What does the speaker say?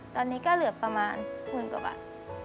ตอนนี้ก็เหลือประมาณหมื่นกว่าบาท